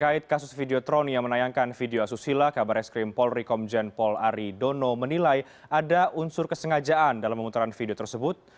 terkait kasus videotroni yang menayangkan video asusila kabar eskrim polri komjen pol ari dono menilai ada unsur kesengajaan dalam memutaran video tersebut